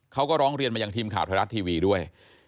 เขาก็ร้องเรียนมายังทีมข่าวไทยรัฐทีวีด้วย